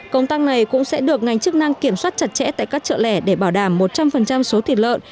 công tăng này cũng sẽ được ngành chức năng kiểm soát chặt chẽ tại các chợ lẻ để bảo đảm một trăm linh số thịt lợn